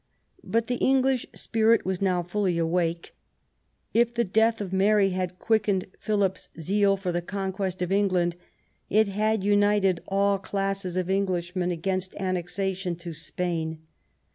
But the English spirit was now fully awake. If the death of Mary had quickened Philip's zeal for the conquest of England, it had united all classes of Englishmen against annexation to Spain.